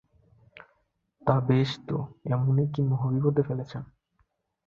তা বেশ তো, এমনই কি মহাবিপদে ফেলেছেন!